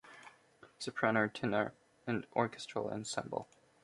Soprano or tenor and orchestral ensemble.